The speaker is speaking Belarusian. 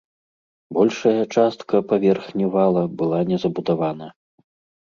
Большая частка паверхні вала была не забудавана.